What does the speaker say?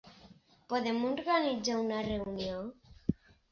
Podem organitzar una reunió?